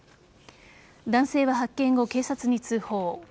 男性は発見後、警察に通報。